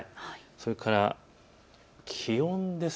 それから気温です。